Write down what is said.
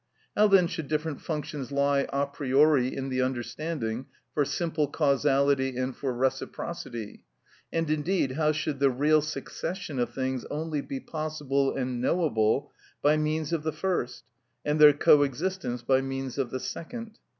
How then should different functions lie a priori in the understanding for simple causality and for reciprocity, and, indeed, how should the real succession of things only be possible and knowable by means of the first, and their co existence by means of the second?